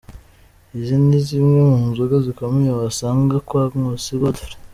Izi ni zimwe mu nzoga zikomeye wasanga kwa Nkusi Godfrey.